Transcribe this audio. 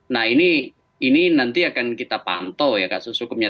nah ini nanti akan kita pantau ya kasus hukumnya